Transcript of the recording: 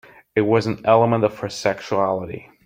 It was an element of her sexuality.